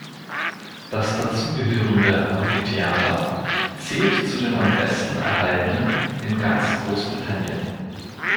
Das dazugehörende Amphitheater zählt zu den am besten erhaltenen in ganz Großbritannien.